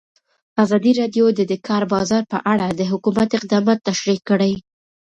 ازادي راډیو د د کار بازار په اړه د حکومت اقدامات تشریح کړي.